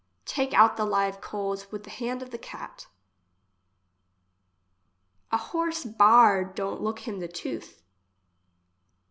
Take out the live coals with the hand of the cat. A horse baared don't look him the tooth.